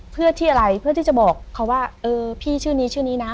เพื่อที่อะไรเพื่อที่จะบอกเขาว่าเออพี่ชื่อนี้ชื่อนี้นะ